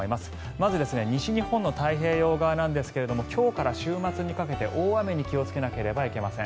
まず、西日本の太平洋側ですが今日から週末にかけて大雨に気をつけなければいけません。